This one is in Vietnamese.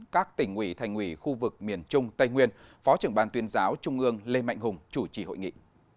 các tỉnh ủy thành ủy khu vực miền trung tây nguyên phó trưởng ban tuyên giáo trung ương lê mạnh hùng chủ trì hội nghị